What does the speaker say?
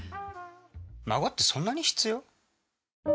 孫ってそんなに必要？